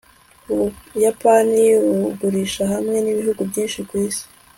ubuyapani bugurisha hamwe nibihugu byinshi kwisi